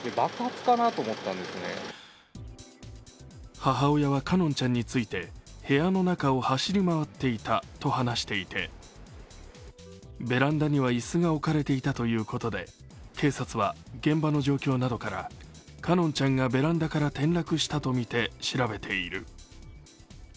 母親は奏音ちゃんについて、部屋の中を走り回っていたと話していてベランダには椅子が置かれていたということで、警察は現場の状況などかから奏音ちゃんがベランダから転落したとみて調べている。